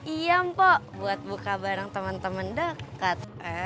iya mpok buat buka bareng teman teman dekat